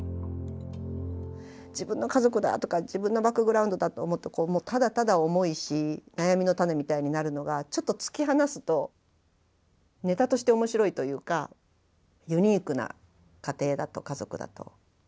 自分の家族だとか自分のバックグラウンドだと思うともうただただ重いし悩みの種みたいになるのがちょっと突き放すとネタとして面白いというかユニークな家庭だと家族だと。